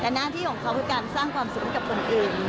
แต่หน้าที่ของเขาคือการสร้างความสุขให้กับคนอื่น